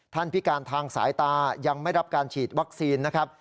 พิการทางสายตายังไม่รับการฉีดวัคซีนนะครับ